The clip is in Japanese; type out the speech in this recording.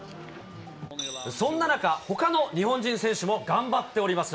そんな中、ほかの日本人選手も頑張っております。